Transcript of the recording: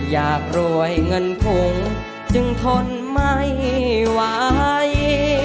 อยากรวยเงินถุงจึงทนไม่ไหว